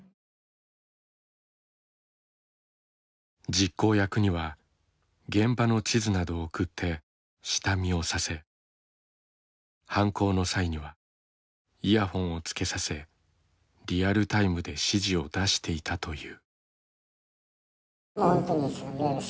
実行役には現場の地図などを送って下見をさせ犯行の際にはイヤホンをつけさせリアルタイムで指示を出していたという。